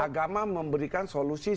agama memberikan solusi semua